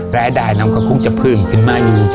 และแดนอก็คงจะฟลึ่มขึ้นมาอยู่